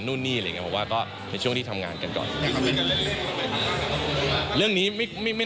ตั้งคิดไว้ว่ามาเท่าไหร่วิทย์หรือเปลี่ยน